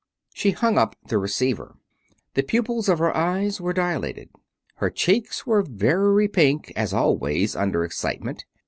She hung up the receiver. The pupils of her eyes were dilated. Her cheeks were very pink as always under excitement.